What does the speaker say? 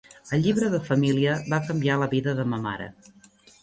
El llibre de família va canviar la vida de ma mare.